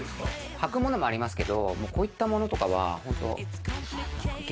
履くものもありますけどこういったものとかはホント。